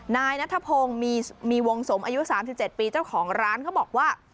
นายนัทพงศ์มีวงสมอายุ๓๗ปีเจ้าของร้านเขาบอกว่า